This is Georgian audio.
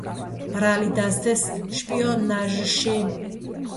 ბრალი დასდეს შპიონაჟში.